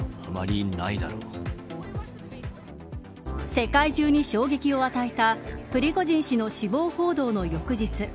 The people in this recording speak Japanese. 世界中に衝撃を与えたプリゴジン氏の死亡報道の翌日。